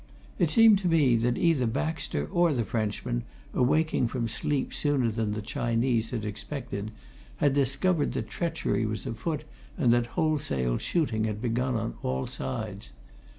It seemed to me that either Baxter or the Frenchman, awaking from sleep sooner than the Chinese had expected, had discovered that treachery was afoot and that wholesale shooting had begun on all sides.